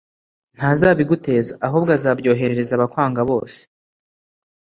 ntazabiguteza, ahubwo azabyoherereza abakwanga bose.